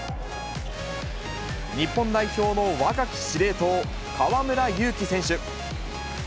日本代表の若き司令塔、河村勇輝選手。